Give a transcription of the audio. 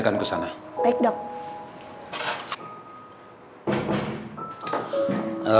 tante yang kecil